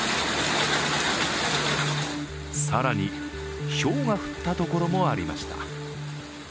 更に、ひょうが降ったところもありました。